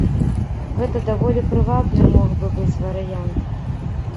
Гэта даволі прывабны мог бы быць варыянт.